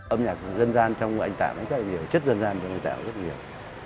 âm nhạc dân gian trong anh tạo rất là nhiều chất dân gian trong anh tạo rất nhiều